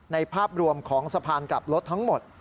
ภาพรวมของสะพานกลับรถทั้งหมด